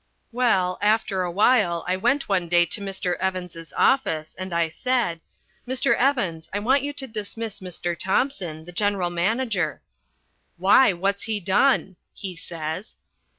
Well, after a while I went one day to Mr. Evans's office and I said, "Mr. Evans, I want you to dismiss Mr. Thompson, the general manager." "Why, what's he done?" he says.